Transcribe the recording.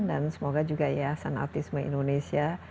dan semoga juga ya san autisme indonesia